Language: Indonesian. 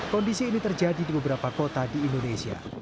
kondisi ini terjadi di beberapa kota di indonesia